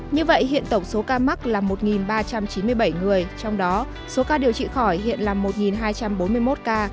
như vậy hiện tổng số ca mắc là một ba trăm chín mươi bảy người trong đó số ca điều trị khỏi hiện là một hai trăm bốn mươi một ca